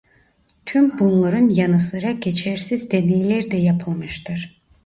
Tüm bunların yanı sıra geçersiz deneyler de yapılmıştır.